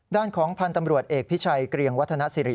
ด้านของพันธ์ตำรวจเอกพิชัยเกรียงวัฒนสิริ